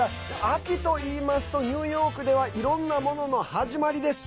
秋といいますとニューヨークではいろんなものの始まりです。